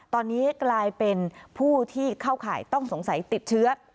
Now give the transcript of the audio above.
ตอนนี้กลายเป็นผู้ที่เข้าข่ายต้องสงสัยติดเชื้อ